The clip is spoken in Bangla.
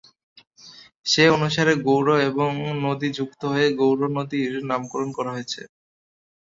সে অনুসারে গৌড় এবং নদী যুক্ত হয়ে "গৌরনদী"র নামকরণ করা হয়েছে।